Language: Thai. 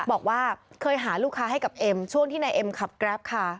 บอกว่าเคยหาลูกค้าให้กับเอ็มช่วงที่นายเอ็มขับแกรปค่ะ